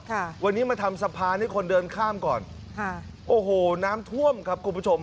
ค่ะวันนี้มาทำสะพานให้คนเดินข้ามก่อนค่ะโอ้โหน้ำท่วมครับคุณผู้ชม